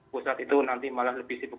pusat itu nanti malah lebih sibuk